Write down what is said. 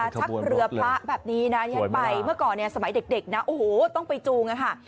ชักเรือพระแบบนี้นะที่ฉันไปเมื่อก่อนเนี่ยสมัยเด็กนะโอ้โหต้องไปจูงอะค่ะ